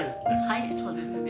はいそうですね。